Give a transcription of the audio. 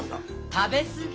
食べ過ぎ。